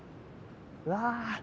うわ。